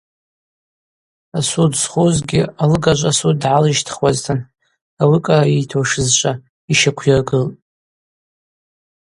Асуд зхузгьи алыгажв асуд дгӏалищтхуазтын ауи кӏара йыйтуашызшва йщаквйыргылтӏ.